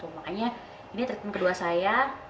makanya ini treatment kedua saya